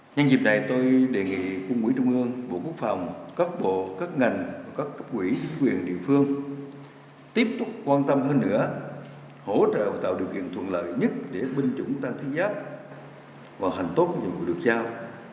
nhân dịp này tôi đề nghị cung ủy trung ương bộ quốc phòng các bộ các ngành các cấp quỷ chính quyền địa phương tiếp tục quan tâm hơn nữa hỗ trợ tạo điều kiện thuận lợi nhất để binh chủng tan thiết giáp và hành tốt nhuận vụ được giao